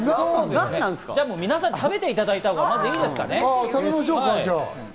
皆さんに食べていただいた方がいいですかね？